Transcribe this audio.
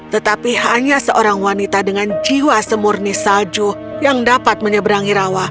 tetapi hanya seorang wanita dengan jiwa semurni salju yang dapat menyeberangi rawa